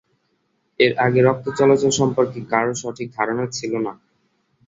এর আগে রক্ত চলাচল সম্পর্কে কারও সঠিক ধারণা ছিল না।